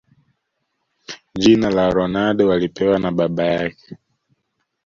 Jina la Ronaldo alipewa na baba yake